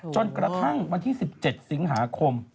จนกระทั่งวันที่๑๗สิงหาคม